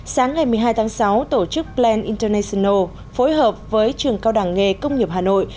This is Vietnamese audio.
sáng ngày một mươi hai tháng sáu tổ chức plan international phối hợp với trường cao đảng nghề công nghiệp hà nội